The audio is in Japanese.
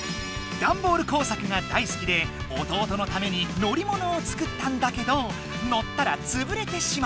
ダンボール工作がだいすきで弟のために乗りものを作ったんだけど乗ったらつぶれてしまった。